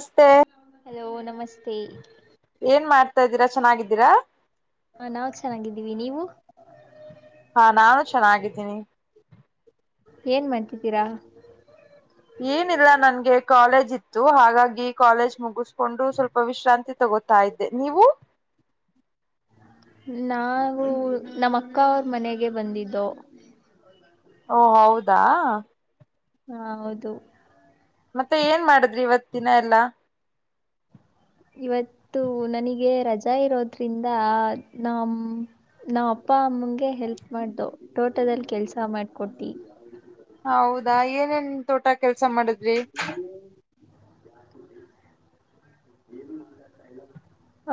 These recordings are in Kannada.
ನಮಸ್ತೆ ಹಲೋ ನಮಸ್ತೆ. ಏನ್ ಮಾಡ್ತಾ ಇದ್ದೀರಾ ಚೆನ್ನಾಗಿದ್ದೀರಾ. ಹಾ -ನಾವ್ ಚೆನ್ನಾಗಿದ್ದೀವಿ ನೀವು. ಹಾ ನಾನು ಚೆನ್ನಾಗಿದ್ದೀನಿ. ಏನ್ ಮಾಡತಿದ್ದೀರಾ. ಏನಿಲ್ಲ ನನ್ಗೆ ಕಾಲೇಜ್ ಇತ್ತು ಹಾಗಾಗಿ ಕಾಲೇಜ್ ಮುಗಿಸ್ಕೊಂಡು. ಸ್ವಲ್ಪ ವಿಶ್ರಾಂತಿ ತಗೋತಾ ಇದ್ದೆ ನೀವು, ನಾವು ನಮ್ಮ ಅಕ್ಕ ಅವ್ರ ಮನೆಗೆ ಬಂದಿದ್ದು. ಓ -ಹೌದಾ. ಹ- ಹೌದು ಮತ್ತೆ ಏನ್ ಮಾಡಿದ್ರಿ ಇವತ್ತಿನ ಎಲ್ಲಾ. ಇವತ್ತು ನನಗೆ ರಜಾ ಇರೋದ್ರಿಂದ ನಾಮ, ನಾ ಅಪ್ಪ ಅಮ್ಮಗೆ ಹೆಲ್ಪ್ ಮಾಡ್ದು ತೋಟದಲ್ಲಿ ಕೆಲ್ಸ ಮಾಡಕೊಡ್ತಿ. ಹೌದಾ ಏನೇನ್ ತೋಟ ಕೆಲ್ಸ ಮಾಡಿದ್ರಿ. ಏನು ಮಾಡತಲ್ಲ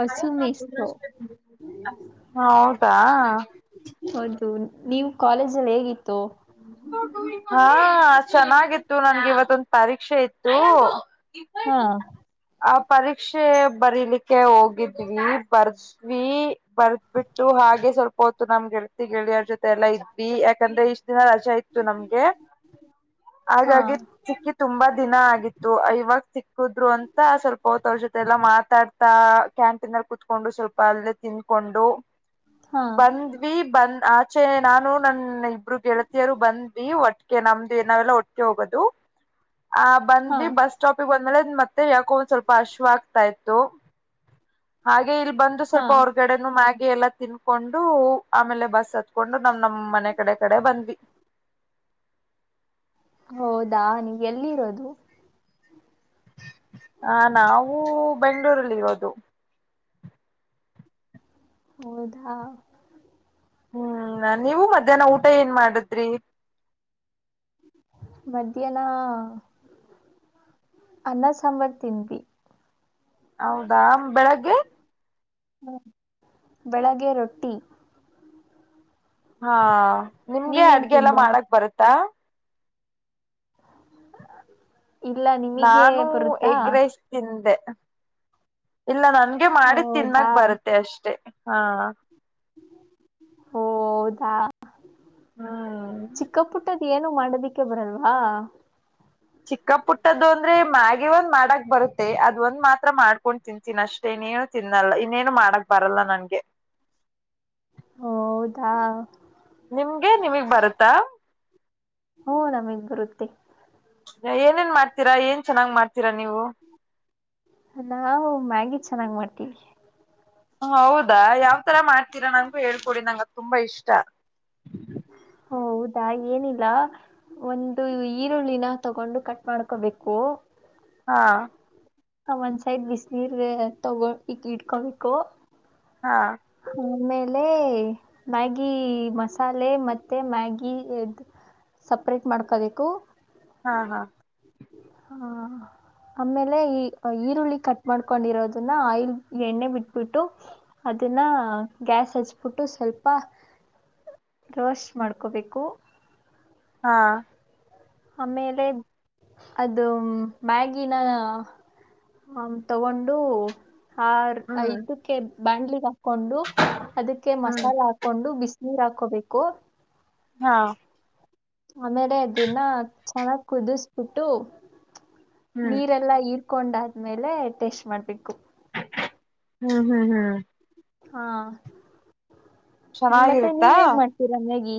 ಹ- ಹೌದ. ಹೌದು ನೀವು ಕಾಲೇಜ್ಲ್ಲಿ ಹೇಗಿತ್ತು. ಹಾ- ಚೆನ್ನಾಗಿತ್ತು ನನ್ಗೆ ಇವತ್ತೊಂದ ಪರೀಕ್ಷೆ ಇತ್ತು. ಹಾ ಆ ಪರೀಕ್ಷೆ ಬರೀಲಿಕ್ಕೆ ಹೋಗಿದ್ವಿ ಬರ್ಸ್ವಿ ಬರ್ದಬಿಟ್ಟು ಹಾಗೆ ಸ್ವಲ್ಪ ಹೊತ್ತು ನಮ್ ಗೆಳತಿ ಗೆಳಿಯ ಅವ್ರ ಜೊತೆ ಎಲ್ಲ ಇದ್ವಿ ಯಾಕಂದ್ರೆ ಇಷ್ಟ ದ ರಜ ಇತ್ತು ನಮ್ಗೆ. ಹಾ ಹಾಗಾಗಿ ಸಿಕ್ಕಿ ತುಂಬಾ ದಿನ ಆಗಿತ್ತು ಇವಾಗ ಸಿಕ್ಕಿದ್ರು ಅಂತ ಸ್ವಲ್ಪ ಹೊತ ಔಷ ಮಲ್ಲಾ ಮಾತಾಡ್ತಾ ಕ್ಯಾಂಟೀನ್ಲ್ಲಿ ಕುೂತ್ಕೊಂಡು ಸ್ವಲ್ಪ ಅಲ್ಲೇ ತಿಂದಕೊಂಡು. ಹಾ ಬಂದ್ವಿ ಬಂದ್ ಆಚೆ ನಾನು ನನ್ ಇಬ್ರು ಗೆಳತಿಯರು. ಬಂದ್ವಿ ಒಟ್ಟ ನಮ್ದು ಏನಾವೆಲ್ಲ ಒಟ್ಟ ಹೋಗೋದು ಹಾ ಆ್ಬಂದ್ವಿ ಬಸ್ ಸ್ಟಾಪಿಗೆ ಲೆ ಮತ್ತೆ ಯಾಕೋ ಒಂದ್ ಸ್ವಲ್ಪ ಅಶ್ವ ಆಗ್ತಾ ಇತ್ತು ಹಾಗೆ ಹಾಗ ಇಲ್ಲಿ ಬಂದು ಹಾ ಸ್ವಲ್ಪ ಅವ್ರಗಡೆನು ಮ್ಯಾಗಿ ಎಲ್ಲ ತಿನ್ಕೊಂಡು ಆಮೇಲೆ ಬಸ್ಸತ್ ಹಕೊಂಡು ನಮ್ ನಮ್ ಮನೆ ಕಡೆ ಕಡೆ ಬಂದ್ವಿ ಹೌದಾ ನೀಎಲ್ಲಿರೋದು ಹ ನಾವೂ ಬೆಂಗ್ಗಳೂರಲ್ಲಿ ಇರೋದು ಹೌದಾ ಹ್ಮ್ ನೀವು ಮಧ್ಯಾಹ್ನ ಊಟ ಏನ್ ಮಾಡುದ್ರಿ ಮಧ್ಯನ ಅನ್ನಸಂಬರ್ ತಿನ್ ಹೌದಾ ಬೆಳಗ್ಗೆ ಹ್ಮ್ ಬೆಳಗ್ಗೆ ರೊಟ್ಟಿ ಹಾ ನಿಮ್ಗೆ ನೀವೇನ್ ಅಡ್ಗೆ ಎಲ್ಲ ತಿಂದ್ರಾ ಮಾಡಕ್ ಬರುತ್ತಾ ಇಲ್ಲ ನಿಮಗೆ ನಾನು ಬರುತ್ತಾ ಎಗ್ರಸ್ ತಿಂದೆ ಇಲ್ಲ ನನ್ಗೆ ಮಾಡಿ ಹೌದಾ ತಿನ್ನಕ್ ಬರುತ್ತೆ ಅಷ್ಟೆ ಹಾ ಹ ಹೌದಾ ಹ್ಮ್ ಚಿಕ್ಕ ಪುಟ್ಟದ್ ಏನು ಮಾಡದಿಕ್ಕೆ ಬರಲ್ವಾ ಚಿಕ್ಕ ಪುಟ್ಟದ್ದ ಅಂದ್ರೆ ಮ್ಯಾಗೆ ಒಂದ್ ಮಾಡಕ್ ಬರುತ್ತೆ ಅದ ಒಂದ್ ಮಾತ್ರ ಮಾಡ್ಕೊಂಡ್ ತಿನ್ತೀನ ಅಷ್ಟೇ ಇನ್ನೇನು ತಿನ್ನಲ್ಲ ಇನ್ನೇನು ಮಾಡಕ್ ಬರಲ್ಲ ನನ್ಗೆ [unintelligible] ಹೌದಾ ನಿಮ್ಗೆ ನಿಮಗ್ ಬರತ್ತಾ ಹಓ ನಮಗ್ ಬರುತ್ತೆ ಏನೇನ್ ಮಾಡ್ತೀರಾ ಏನ್ ಚೆನ್ನಾಗ್ ಮಾಡ್ತೀರಾ ನೀವು ನಾವು ಮ್ಯಾಗಿ ಚೆನ್ನಾಗಿ ಮಾಡ್ತೀವಿ ಹೌದಾ ಯಾವತರ ಮಾಡ್ತೀರಾ ನನ್ಗು ಹೇಳ್ಕೊಡಿ ನಂಗ ತುಂಬಾ ಇಷ್ಟ ಹೌದಾ ಏನಿಲ್ಲ ಒಂದು ಈರುಳ್ಳಿನ ತಗೊಂಡು ಕಟ್ ಮಾಡ್ಕೋಬೇಕು ಹಾ ಹ ಒಂದ್ ಸೈದ ಬಿಸಿನೀರ್ ತಗೊ ಇಕ್ ಇಟ್ಕೊಬೇಕು ಹಾ ಆಮೇಲೆ ಮ್ಯಾಗಿ ಮಸಾಲೆ ಮತ್ತೆ ಮ್ಯಾಗಿ ಸಪ್ರೇಟ್ ಮಾಡ್ಕೋಬೇಕು ಹಾ ಹಾ ಹಾ ಆಮೇಲೆ ಈ ಈರುಳ್ಳಿ ಕಟ್ ಮಾಡ್ಕೊಂಡಿರೋದನ್ನ ಆಯಿಲ್ ಎಣ್ಣೆ ಬಿಟ್ಬಿಟ್ಟು ಅದನ್ನ ಗ್ಯಾಸ್ ಹಚ್ಬಿಟ್ಟು ಸ್ವಲ್ಪ ರೋಸ್ಟ್ ಮಾಡ್ಕೋಬೇಕು ಹಾ ಆಮೇಲೆ ಅದು ಮ್ಯಾಗಿನ ಆ ತಗೊಂಡು ಆ ಹ್ಮ್ ಇದಕ್ಕೆ ಬಾಣ್ಲಿಗ್ ಹಾಕೊಂಡು ಅದಕ್ಕೆ ಹ್ಮ್ ಮಸಾಲೆ ಹಾಕೊಂಡು ಬಿಸಿ ನೀರ್ ಹಾಕೋಬೇಕು ಹಾ ಆಮೇಲೆ ಅದನ್ನ ಚೆನ್ನಾಗ್ ಕುದಿಸಬಿಟ್ಟು ಹ್ಮ್ ನೀರೆಲ್ಲಾ ಇರ್ ಹಕೊಂಡಾದ್ಮೇಲೆ ಟೆಸ್ಟ್ ಮಾಡ್ಬೇಕು ಹ್ಮ್ ಹ್ಮ್ ಹ್ಮ್ ಹಾ ಮತ್ತೆ ನೀವ ಚೆನ್ನಾಗಿರುತ್ತಾ ಹೇಗ್ ಮಾಡ್ತೀರಾ ಮ್ಯಾಗಿ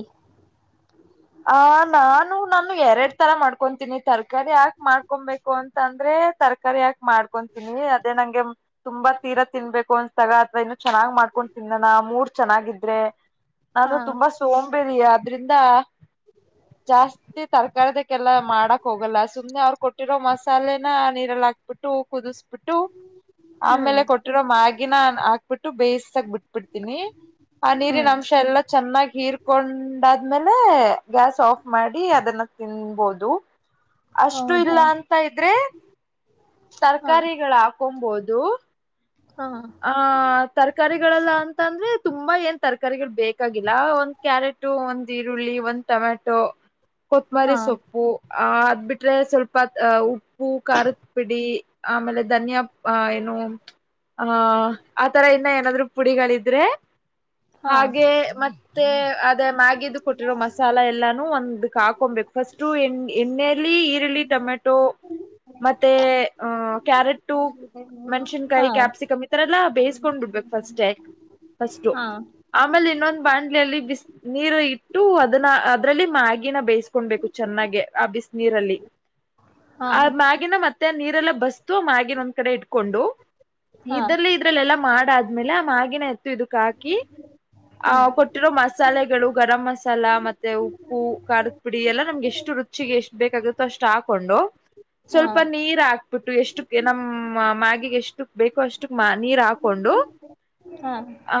ಆ ನಾನು ನಾನು ಎರಡ್ ತರ ಮಾಡ್ಕೊತೀನಿ ತರಕಾರಿ ಯಾಕ್ ಮಾಡ್ಕೊಬೇಕು ಅಂತ ಅಂದ್ರೆ ತರಕಾರಿ ಯಾಕ್ ಮಾಡ್ಕೊತೀನಿ ಅದೇ ನಂಗೆ ತುಂಬ ತುಂಬ ತೀರ ತಿನ್ಬೇಕು ಅನ್ಸಾಗ ಅಥವಾ ಇನ್ನು ಚೆನ್ನಾಗ್ ಮಾಡ್ಕೊಂಡು ತಿನ್ನಣ ಮೂರ್ ಚೆನ್ನಾಗಿದ್ರೆ ನಾನು ಹಾ ತುಂಬಾ ಸೋಂಬೇರಿ ಆದ್ರಿಂದ. ಜಾಸ್ತಿ ತರಕಾರಿ. ಎಲ್ಲಾ ಮಾಡಕ್ ಹೋಗಲ್ಲ ಸುಮ್ನೆ ಅವ್ರು ಕೊಟ್ಟಿರೋ ಮಸಾಲೆನ ನೀರಲ್ಲಿ ಹಾಕ್ಬಿಟ್ಟು ಕುದಿಸ್ು ಹಬಿಟ್ಟು ಹ್ಮ್ ಆಮೇಲೆ ಕೊಟ್ಟಿರೋ ಮ್ಯಾಗಿಿನ ಹಾಕ್ಬಿಟ್ಟು ಬೇಯಿಸತಾಗ ಬಿಟ್ಬಿಡ್ತೀನಿ. ಆ ನೀರಿನ ಹ್ಮ್ ಅಂಶ ಎಲ್ಲಾ ಚೆನ್ನಾಗಿ ಹೀರ್ಕೊಂಡ. ಆದ್ಮೇಲೆ ಗ್ಯಾಸ್ ಆಫ್ ಮಾಡಿ ಅದನ್ನ ತಿನ್ಬೋದು. ಅಷ್ಟು ಇಲ್ಲ ಹೌದಾ ಅಂತ ಇದ್ರೆ ಹಾ ತರ್ಕಾರಿಗಳ. ಕೊಂಬೋದು. ಹಾ ಆ ತರಕಾರಿಗಳೆಲ್ಲ ಅಂತ ಅಂದ್ರೆ. ತುಂಬಾ ಏನ್ ತರಕಾರಿಗಳು ಬೇಕಾಗಿಲ್ಲ ಒಂದ್ ಕ್ಯಾರೆಟು ಒಂದ್ ಈರುಳ್ಳಿ ಒಂದ್ ಟೊಮ್ಯಾಟೊ. ಹಾ ಕೊತ್ಮರಿ ಸೊಪ್ಪು. ಆ್ ಅದ್ ಬಿಟ್ರೆ ಸ್ವಲ್ಪ್ ಉಪ್ಪು ಖಾರದ ಪಿಡಿ ಆಮೇಲೆ ಧನ್ಯಾ ಏನು. ಹ ಆತರ ಇನ್ನ ಏನಾದ್ರು ಪುಡಿಗಳಿದ್ರೆ. ಹಾ ಹಾಗೆ ಮತ್ತೆ ಅದೇ ಮ್ಯಾಗಿಿದು ಕೊಟ್ಟಿರೋ ಮಸಾಲ ಎಲ್ಲಾನು ಒಂದ ಹಾಕೊಬೇಕು. ಫಸ್ಟ ಎ ಎಣ್ಣೆಯಲ್ಲಿ ಈರುಳ್ಳಿ ಟೊಮೆಟೊ ಮತ್ತೆ ಅಹ. ಕ್ಯಾರೆಟು ಹಾ. ಮೆಣ್ಸಿನ್ಕಾಯಿ ಕ್ಯಾಪ್ಸಿಕಮ್ ಇರ ಎಲ್ಲ ಬೇಯ್ಕೊಂಡ್ ಬಿಡ್ಬೇಕು ಫಸ್ಟ್ ಫಸ್ ಹಾ ಆಮೇಲೆ ಇನ್ನೊಂದು. ಬಾಣ್ಲಲ್ಲಿ ಬ ನೀರು ಇಟ್ಟು ಅದನ್ನ ಅದರಲ್ಲಿ ಮ. ಬೇಯಿಸಕೊಬೇಕು ಚೆನ್ನಾಗ ಆ ಬಿಸ ನೀರಲ್ಲಿ ಹಾ ಆ ಮ್ಯಾಗಿಿನ ಮತ್ತೆ. ಮೆ ನೀರೆಲ್ಲ ಬಸ್ತು ಆಗಿನ ಒಂದ್ ಕಡೆ ಇಟ್ಕೊಂಡು ಹಾ ಇದ್ರಲ್ಲಿ ಇದ್ರಲ್ಲೆಲ್ಲ. ಮಾಡಾದ್ಮೇಲೆ ಆ ಮಗಿನ ಎತ್ತು ಇದಕ್ ಹಾಕಿ. ಆ ಹ್ಮ್ ಕೊಟ್ಟಿರೋ ಮಸಾಲೆಗಳು ಗರಂ ಮಸಾಲ ಮತ್ತೆ ಉಪ್ಪು ಖಾರದ ಪುಡಿ ಎಲ್ಲ ನಮ್ಗೆಷ್ಟ. ಎಷ್ಟು ರುಚಿಗೆ ಎಷ್ಟು ಬೇಕಾಗುತ್ತೋ ಅಷ್ಟು ಹಾಕೊಂಡು. ಹಾ ಸ್ವಲ್ಪ ನೀರ್ ಹಾಕ್ಬಿಟ್ಟು ಎಷ್ಟು ನಮ್ಮ ಮಾಗಿಿಗೆ ಎಷ್ಟು ಬೇಕು ಅಷ್ಟಕ್ ನೀರ್ ಹಾಕೊಂಡು ಹಾ ಆ.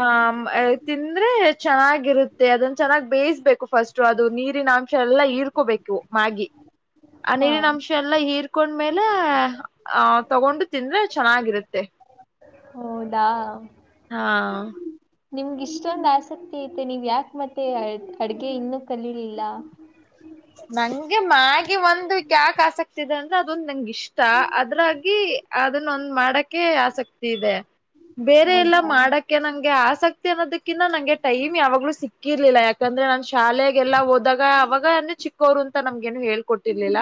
ತಿಂದ್ರೆ ಚೆನ್ನಾಗಿರುತ್ತೆ ಅದನ್ನ ಚೆನ್ನಾಗಿ ಬೇಯಿಸ್ಬೇಕು ಫಸ್ಟ್ ಅದು ನೀರಿನ ಅಂಶ ಎಲ್ಲ ಇ. ತಿಳ್ಕೋಬೇಕು ಮ್ಯಾಗಿ. [unintelligible] ಆ ನೀರಿನ ಅಂಶ ಎಲ್ಲ ಹೀರ್ಕೊಂಡ್ಮೇಲೆ ಆಹ ತಗೊಂಡು ತಿಂದ್ರೆ ಚೆನ್ನಾಗಿರುತ್ತೆ. [unintelligible] ಹೌದಾ. ಹಾ. ನಿಮ್ಗಿಷ್ಟೊಂದು ಆಸಕ್ತಿ ಐತೆ ನೀವು್ ಯಾಕೆ ಮತ್ತೆ ಅ ಅಡ್ಗೆ ಇನ್ನೂ ಕಲಿರ್ಲಿಲ್ಲ. ನಂಗೆ ಮಗೆ ಒಂದು ಯಾಕ ಆಸಕ್ತಿ ಇದೆ ಅಂದ್ರೆ ಅದೊಂದ ನಂಂಗಗೆ ಇಷ್ಟ. ಇಷ್ಟ ಅದ್ರಾಗಿ ಅದನ್ನ ಒಂದ್ ಮಾಡಕ್. ಆಸಕ್ತಿ ಇದೆ ಬೇರೆ ಎಲ್ಲ ಹೌದಾ ಮಾಡಕ್ಕೆ ನಂಗೆ ಆಸ. ಆಸಕ್ತಿ ಅನ್ನೋದಕ್ಕಿಂತ ನಂಗೆ ಟೈಮ್ ಯಾವಾಗಲೂ ಸಿಕ್ಕಿರ್ಲಿಲ್ಲ ಯಾಕಂದ್ರೆ ನಾನು ಶಾಲೆಗೆಲ್ಲಾ ಹೋದಾಗ ಅವಾಗ ಚಿಕ್ಕ. [inaudible] ಅಂತ ನಮ್ಗ ನು ಹೇಳ್ಕೊಟ್ಟಿರ್ಲಿಲ್ಲ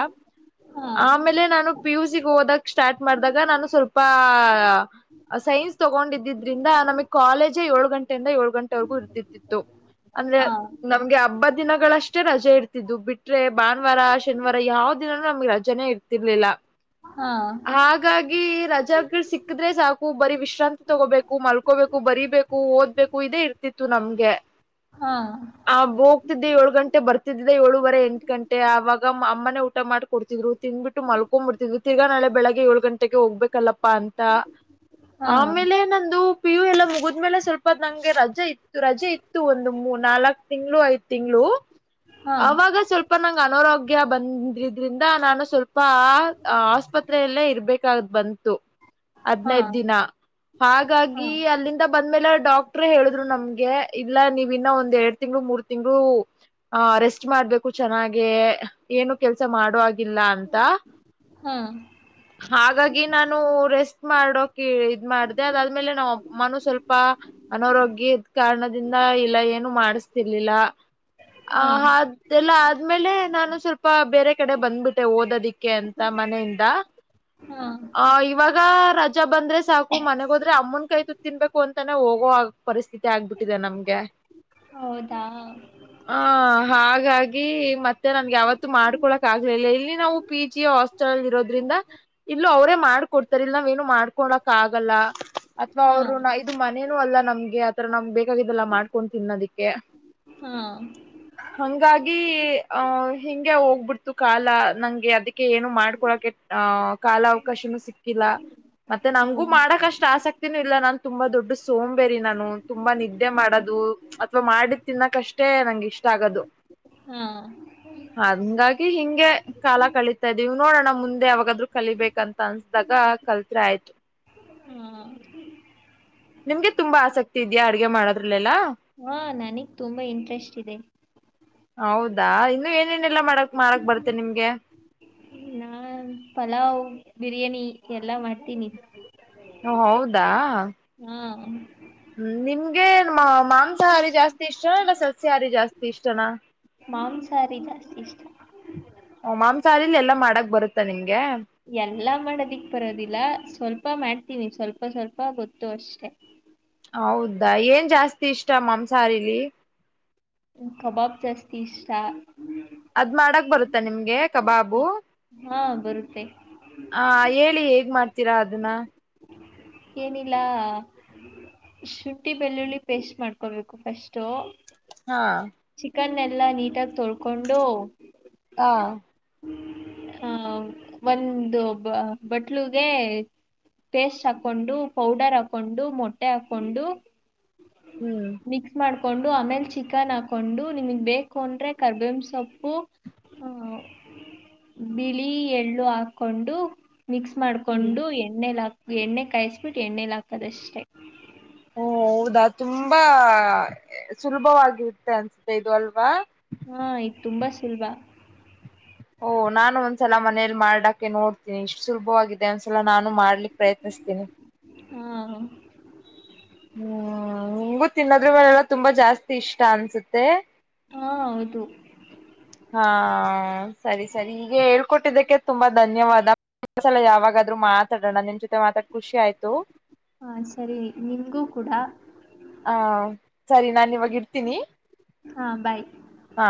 ಹಾ ಆಮೇಲೆ ನಾನು ಪಿಯುಸಿ. ಹೋದಾಗ ಸ್ಟಾರ್ಟ್ ಮಾಡಿದಾಗ ನಾನು ಸ್ವಲ್ಪ ಸೈನ್ಸ್ ತಗೊಂಡಿದ್ದಿದ್ರಿಂದ ನಮಗ್. ಕಾಲೇಜ ಏಳು ಗಂಟೆಯಿಂದ ಏಳು ಗಂಟೆವರೆಗೂ ಇರ್ತಿತಿತ್ತು. ಅಂದ್ರೆ ಹಾ ನಮ್ಗೆ ಹಬ್ಬ ದಿನಗಳಷ್ಟೇ ರಜೆ ಇರ್ತಿದ್ದು ಬಿಟ್ಟ. ೆ ಭಾನುವಾರ ಶನಿವಾರ ಯಾವ ದಿನಾನೂ ನಮ್ಗೆ ರಜೆನೆೇ ಇರ್ತಿರ್ಲಿಲ್ಲ. ಹಾ ಹಾಗಾಗಿ. ರಜ ಸಿಕ್ಕಿದ್ರೆ ಸಾಕು ಬರೀ ವಿಶ್ರಾಂತಿ ತಗೋಬೇಕು ಮಲ್ಕೋಬೇಕು ಬರೀಬೇಕು ಓದ್ಬೇಕು ಇದೇ ಇರ್ತ. ನಮ್ಗೆ ಹಾ ಆ ಹೋಗ್ತಿದ್ದೆ ಏಳು ಗಂಟೆ ಬರ್ತಿದ್ದಿದ್ದ ಏಳುವರೆ. ಅವಾಗ ಅಮ್ಮನನೆ ಊಟ ಮಾಡ್ಿ ಕೊಡ್ತಿದ್ರು ತಿನ್್ಬಟ್ಟು ಮಲ್ಕೊಂಡಂಬಿತಿದ್ ತಿಗ ನಳ ಬೆಳಗ್ ಏಳು ಗಂಟೆ. ಟ್ಟ ಹೋಗ್ಬೇಕಲ್ಲಪ್ಪಾ ಅಂತ ಹಾ ಆಮೇಲೆ ನಂದು. ಪ್ಯೂು ಎಲ್ಲ ಮುಗಿದ್ಮೇಲೆ ಸ್ವಲ್ಪ ನಂಗೆ ರಜೆ ಇತ್ತು ರಜೆ ಇತ್ತು ಒಂದು ಮೂ ನಾಲ್ಕು. ತಿಂಗಳು ಐದು ತಿಂಗಳು ಹಾ ಅವಾಗ ಸ್ವಲ್ಪ ನಂ್ ಅನಾರೋಗ್ಯ ಬಂದ. ಇದ್ರಿಂದ ನಾನು ಸ್ವಲ್ಪ ಆಸ್ಪತ್ರೆಯಲ್ಲೇ ಇರ್ಬೇಕಾದ್ ಬಂತು. ಹಾ ಹದ್ಿನೈದ ದಿನ ಹಾ ಹಾಗಾಗಿ ಅಲ್ಲಿಂದ ಬಂದ್ಮೇಲೆ ಡಾಕ್ಟ್ರ ಹೇಳಿದ್ರು ನಮ್ಗೆ ಇಲ್ಲ ನೀವು ಇನ್ನ ಒಂದ್ ಎರಡ್ ತಿಂಗ್ಳ ಮೂರ್ ತಿಂಗಗಳು ಆ ರೆಸ್ಟ್ ಮಾಡ್ಬೇಕು ಚೆನ್ನಾಗೆ ಏನು ಕೆಲ್ಸ ಮಾಡುವಾಗ ಿಲ್ಲ ಅಂತ ಹ ಹಾಗಾಗಿ ನಾನು ರೆಸ್ಟ್ ಮಾಡೋಕ ಇದ್ ಮಾಡ್ದ ಅದಾದ್ಮೇಲೆ ನಾ ಮನು ಸ್ವಲ್ಪ ಅನಾರೋಗ್ಯ ಕಾರಣದಿಂದ ಇಲ್ಲ ಏನು ಮಾಡ ಮಾಡತಿರ್ಲಿಲ್ಲ ಹಾ ಆದ್ಮೇಲೆ ನಾನು ಸ್ವಲ್ಪ ಬೇರೆ ಕಡೆ ಬಂದ್ಬಿಟ್ಟೆ ಓದೋದಿಕ್ಕೆ ಅಂತ ಮನೆಯಿಂದ ಹಾ ಆ ಇವಾಗ ಬಂದ್ರೆ ಸಾಕು ಮನೆಗೋದ್ರೆ ಅಮ್ಮನ್ ಕೈ ತತ್ ತಿನ್ಬೇಕು ಅಂತಾನೆ ಹೋಗೋ ಆ ಪರಿಸ್ಥಿತಿ ಆಗ್ಬಿಟ್ಟಿದೆ ನಮ್ಗೆ ಹೌದು ಹ ಹಾಗಾಗಿ ಮತ್ತೆ ನನ್ಗೆ ಯಾವತ್ತು ಮಾಡ್ಕೊಳಕ್ ಆಗ್ಲಿಲ್ಲ ಇಲ್ಲಿ ನಾವು ಪಿ ಜಿ ಹಾಸ್ಟೆಲ್ ಅಲ್ಲಿ ಇರೋದ್ರಿಂದ ಇಲ್ಲೂ ಅವರೇ ಮಾಡ ಕೊಡ್ತಲ್ ನಾವೇನು ಮಾಡ್ಕೊಳಕ್ ಆಗಲ್ಲ ಅಥವಾ ಹಾ ಅವ್ರು ಇದು ಮನೇನೂ ಅಲ್ಲ ನಮ್ಗೆ ಈರ ನಮ್ ಬೇಕಾಗಿದ್ದಲ್ಲ ಮಾಡ್ಕೊಂಡ ತಿನ್ೋದಿಕ್ಕೆ ಹಾ ಆ ಹಿಗೆ ಹೋಗ್ಬಿಡ್ತು ಕಾಲ ನಂಗೆ ಅದಕ್ಕೆ ಕೆ ಏನು ಮಾಡ್ಕೊಳಕೆ ಅಹ ಕಾಲ ಅವಕಾಶನುೂ ಸಿಕ್ಕಿಲ್ಲ ಮತ್ತೆ ಓ ನಂಗಂಗೂ ಮಾಡಕ್ಷ್ಟ್ ಆಸಕ್ತಿನೂ ಇಲ್ಲ ನನ್ ತುಂಬಾ ದೊಡ್ಡ ಸೋಂಬೇರಿ ನಾನು ತುಂಬಾ ನಿದ್ದೆ ಹಾ ಮಾಡೋದು ಅಥವಾ ಮಾಡಿ ತಿನ್ನಕಷ್ಟೇ ನಂಗೆ ಇಷ್ಟ ಆಗದು ಹಾ ಹಂಗಾಗಿ ಹಿಂಗೆ ಕಾಲ ಕಲಿತಾ ಇದ್ದೀವಿ ನೋಡೋಣ ಮುಂದೆ ಅವಾಗಾದ್ೂ ಕಲಿಬೇಕಂತ ಅನ್ಸ್ದಾಗ ಕಲ್ತ್ ಆಯ್ತು ಹಾ ನಿಮ್ಗೆ ತುಂಬಾ ಆಸಕ್ತಿ ಇದೆಯಾ ಅಡ್ಗೆ ಮಾಡೋದ್ರಲೆೆಲ್ಲ ಹಾ ನನಗ್ ತುಂಬಾ ಇಂಟ್ರೆಸ್ಟ್ ಇದೆ ಹೌದಾ ಇನ್ನು ಏನೇನೆಲ್ಲಾ ಮಾಡಕ್ ಮಾಡಕ್ ಬರ್ತ್ತೇ ನಿಮ್ಗೆ ನಾನ್ ಪಲಾವ್ ಬಿರಿ್ಯಾನಿ ಎಲ್ಲಾ ಮಾಡ್ತೀನಿ ಹ ಹೌದಾ ಹಾ ಹ್ಮ ನಿಮ್ಗೆ ಮಾ ಮಾಂಸಾಹಾರಿ ಜಾಸ್ತಿ ಇಷ್ಟನ ಇಲ್ಲ ಸಲ್ಸಿಹಾರಿ ಜಾಸ್ತಿ ಇಷ್ಟನ ಮಾಂಸಾರಿದ ಶಷ್ಟ ಅದಲ್ಲಿ ಎಲ್ಲಾ ಮಾಡಕ್ ಬರುತ್ತಾ ನಿಂಗೆ ಎಲ್ಲ ಮಾಡೋದಿಕ್ ಬರೋದಿಲ್ಲ ಸ್ವಲ್ಪ ಮಾಡ್ತೀವಿ ಸ್ವಲ್ಪ ಸ್ವಲ್ಪ ಗೊತ್ತು ಅಷ್ಟೆ ಹೌದಾ ಏನ್ ಜಾಸ್ತಿ ಇಷ್ಟ ಮಾಂಸಾಹಾರಿಲಿ ಕಬಾಬ್ ಜಾಸ್ತಿ ಇಷ್ಟ ಗತ್ತಾ ನಿಮ್ಗೆ ಕಬಾಬು ಹಾ ಬರುತ್ತೆ ಹಗ್ ಮಾಡ್ತೀರಾ ಅದನ್ನ ಏನಿಲ್ಲ ಶುಂಠಿ ಬೆಳ್ಳುಳ್ಳಿ ಪೇಸ್ಟ್ ಮಾಡ್ಕೊಳ್ಬೇಕು ಫಸ್ಟ್ ಹಾ ಚಿಕನ್ ಎಲ್ಲಾ ನೀಟಾಗಿ ತೊಳ್ಕೊಂಡು ಹಾ ಆ ಒಂದು ಬ ಬಟ್ಲುಗೆ ಪೇಸ್ಟ್ ಹಾಕೊಂಡು ಪೌಡರ್ ಹಾಕೊಂಡು ಮೊಟ್ಟೆ ಹಾಕೊಂಡು ಹ್ಮ್ ಮಿಕ್ಸ್ ಮಾಡ್ ಹಾಕೊಂಡು ಆಮೇಲ್ ಚಿಕನ್ ಹಾಕೊಂಡು ನಿಮಗ್ ಬೇಕು ಅಂದ್ರೆ ಕರ್ಬೇಂಬ ಸೊಪ್ಪು ಹ ಬಿಳಿ ಎಳ್ಳು ಹಾಕೊಂಡು ಮಿಕ್ಸ್ ಮಾಡ್ಕೊಂಡು ಎಣ್ಣಲಿ ಹಾ ಎಣ್ಣೆ ಕಾಯಿಸಬಿಟ್ಟು ಎಣ್ಣೆಲಿ ಹಾಕದಷ್ಟೇ ಹ್ಮ ಹೌದಾ ತುಂಬಾ ಸುಲಭವಾಗಿರುತ್ತೆ ಅನ್ಸುತ್ತೆ ಇದು ಅಲ್ವಾ ಹಾ ಇದು ತುಂಬಾ ಸುಲಭ ಓಹ ನಾನು ಒಂದ್ಸಲ ಮನೇಲಿ ಮಾಡಡಾಕೆ ನೋಡ್ತೀನಿ ಇಷ್ಟು ಸುಲಭವಾಗಿದೆ ಒಂದ್ಸಲ ನಾನು ಮಾಡ್ಲಿಕ್ ಪ್ರಯತ್ನ ತಿನ ಹಾ ಹ್ಮ್ ಹಂಗು ತಿನ್ನದ್ ಮೇಳೆಲ್ಲ ತುಂಬಾ ಜಾಸ್ತಿ ಇಷ್ಟ ಅನ್ಸುತ್ತೆ ಹಾ ಹೌದು ಹ ಸರಿ ಸರಿ ಹೀಗೆ ಹೇಳ್ಕೊಟ್ಟಿದ್ದಕ್ಕೆ ತುಂಬಾ ಧನ್ಯವಾದಲ ಯಾವಾಗಾದ್ರೂ ಮಾತ್ರ ಮಾತಡೋಣ ನಿಮ್ಮ ಜತೆ ಮಾತಾ ಹಾ ಸರಿ ನೀ ಆ ಸರಿ ನಾ ಇವಾಗ ಇರ್ತೀನಿ ಹಾ ಬಾಯ್ ಹಾ